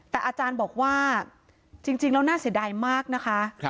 แต่อาจารย์บอกว่าจริงแล้วน่าเสียดายมากนะคะ